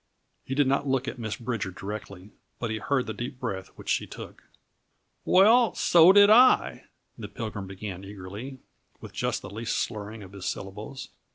He did not look at Miss Bridger directly, but he heard the deep breath which she took. "Well, so did I," the Pilgrim began eagerly, with just the least slurring of his syllables.